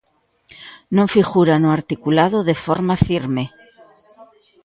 Non figura no articulado de forma firme.